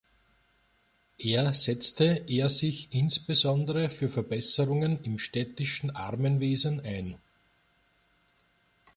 Er setzte er sich insbesondere für Verbesserungen im städtischen Armenwesen ein.